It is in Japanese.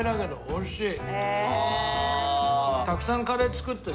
おいしい！